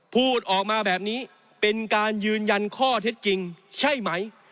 พูดออกมาแบบนี้เป็นการยืนยันข้อเท็จจริงใช่ไหม